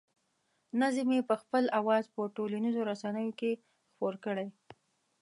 نظم یې په خپل اواز په ټولنیزو رسنیو کې خپور کړی.